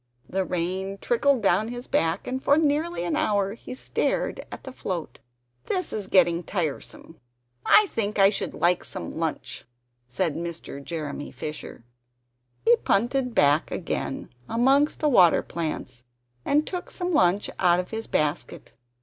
The rain trickled down his back, and for nearly an hour he stared at the float. "This is getting tiresome, I think I should like some lunch," said Mr. Jeremy Fisher. He punted back again amongst the water plants, and took some lunch out of his basket.